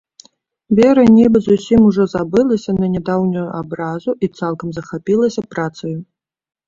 Вера нібы зусім ужо забылася на нядаўнюю абразу і цалкам захапілася працаю.